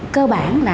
cơ bản là